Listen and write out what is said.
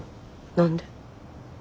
何で？